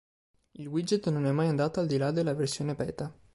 Il widget non è mai andato al di là della versione beta.